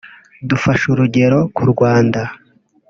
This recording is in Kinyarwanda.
Dufashe urugero ku Rwanda